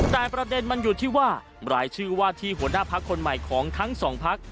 แต่ประเด็นมันอยู่ที่ว่ารายชื่อว่าที่หัวหน้าพักคนใหม่ของทั้งสองพัก